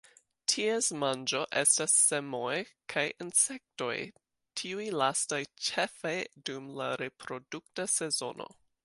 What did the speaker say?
Ties manĝo estas semoj kaj insektoj, tiuj lastaj ĉefe dum la reprodukta sezono.